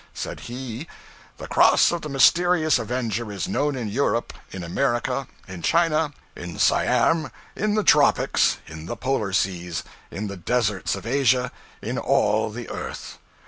Said he 'The cross of the Mysterious Avenger is known in Europe, in America, in China, in Siam, in the Tropics, in the Polar Seas, in the deserts of Asia, in all the earth.